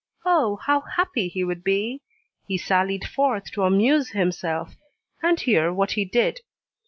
O, how happy he would be! He sallied forth to amuse himself; and hear what he did.